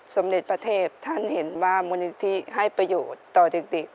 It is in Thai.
สมเด็จประเทศท่านเห็นว่ามูลนิธิให้ประโยชน์ต่อเด็ก